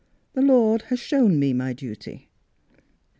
" The Lord has shown me my duty.